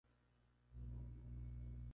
Normalmente viven a poca profundidad.